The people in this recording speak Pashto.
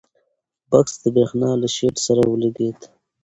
بکس د برېښنا له شیټ سره ولګېد.